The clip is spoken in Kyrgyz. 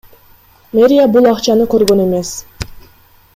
Мэрия бул акчаны көргөн эмес.